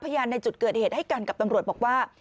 ในจุดเกิดเหตุให้กันกับตำรวจบอกว่า